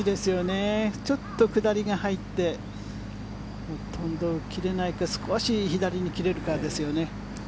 ちょっと下りが入ってほとんど切れないか少し左に切れるかですよね。